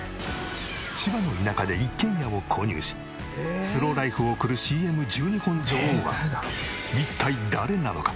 千葉の田舎で一軒家を購入しスローライフを送るＣＭ１２本女王は一体誰なのか？